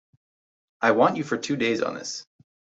I want you for two days on this.